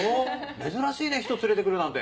珍しいね人連れて来るなんて。